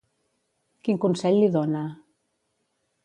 Quin consell li dona.